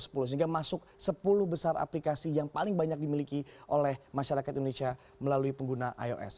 sehingga masuk sepuluh besar aplikasi yang paling banyak dimiliki oleh masyarakat indonesia melalui pengguna ios